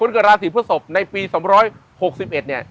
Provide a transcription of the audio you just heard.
คุณเกราะราชีพฤทธิ์ศพในปี๒๖๑เนี่ย